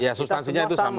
ya substansinya itu sama